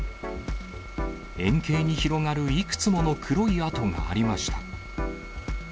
円形に広がるいくつもの黒い跡がありました。